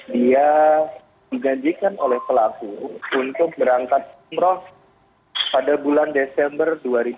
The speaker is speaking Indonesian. dia dijanjikan oleh pelaku untuk berangkat umroh pada bulan desember dua ribu dua puluh